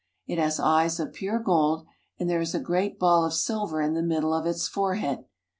It has eyes of pure gold, and there is a great ball of silver in the middle of its forehead.